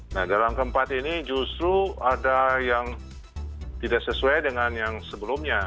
nah dalam keempat ini justru ada yang tidak sesuai dengan yang sebelumnya